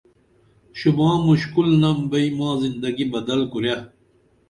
شوباں مُشکُل نم بئی ماں زندگی بدل کُرے